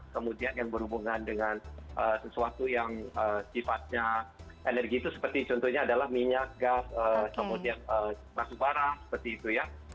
kemudian yang berhubungan dengan sesuatu yang sifatnya energi itu seperti contohnya adalah minyak gas kemudian batu bara seperti itu ya